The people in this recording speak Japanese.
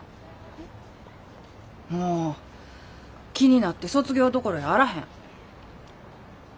もう気になって卒業どころやあらへん。